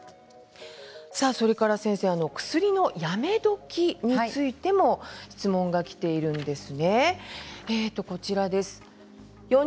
それから先生、薬のやめ時についても質問がきているんです。